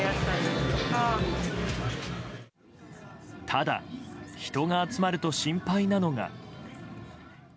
ただ、人が集まると心配なのが。